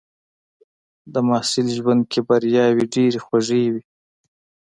د محصل ژوند کې بریاوې ډېرې خوږې وي.